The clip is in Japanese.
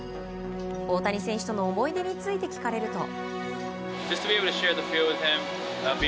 大谷選手との思い出について聞かれると。